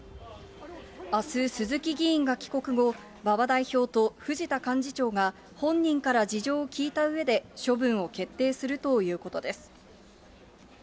あす、鈴木議員が帰国後、馬場代表と藤田幹事長が本人から事情を聞いたうえで処分を決定するということです。